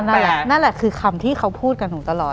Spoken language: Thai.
นั่นแหละคือคำที่เขาพูดกับหนูตลอด